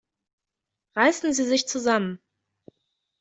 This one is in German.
Reißen Sie sich zusammen!